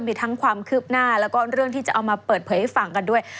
มีทั้งความคืบหน้าแล้วก็เรื่องที่จะเอามาเปิดเผยให้ฟังกันด้วย